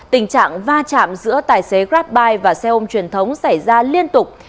tình trạng va chạm giữa tài xế grabbuy và xe ôm truyền thống xảy ra liên tục